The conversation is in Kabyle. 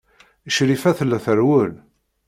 Crifa tella trewwel.